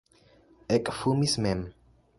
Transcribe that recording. Ekfumis mem.